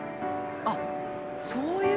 あっそういう。